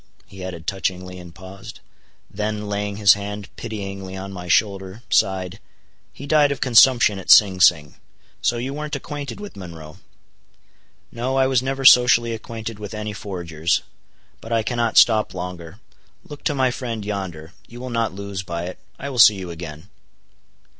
he added touchingly, and paused. Then, laying his hand pityingly on my shoulder, sighed, "he died of consumption at Sing Sing. So you weren't acquainted with Monroe?" "No, I was never socially acquainted with any forgers. But I cannot stop longer. Look to my friend yonder. You will not lose by it. I will see you again."